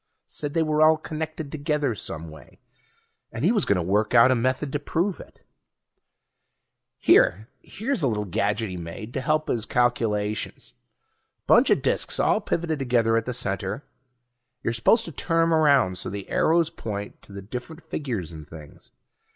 Said they were all connected together some way, and he was gonna work out a method to prove it. Here ... here's a little gadget he made up to help his calculations. Bunch of disks all pivoted together at the center; you're supposed to turn 'em around so the arrows point to the different figures and things.